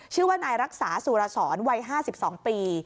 ชื่อว่านายรักษาสุรสรวัย๕๒ปี